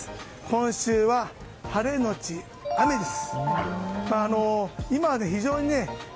今週は、晴れのち雨です。